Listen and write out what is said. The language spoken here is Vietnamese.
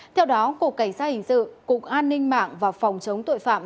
theo đó cục cảnh sát hình sự cục an ninh mạng và phòng chống tội phạm